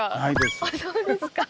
あそうですか。